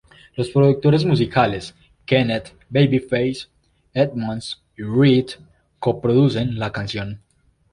Los productores musicales Kenneth "Babyface" Edmonds y Reid co-producen la canción.